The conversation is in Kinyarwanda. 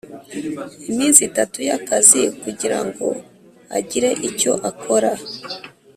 Iminsi itatu y akazi kugira ngo agire icyo akora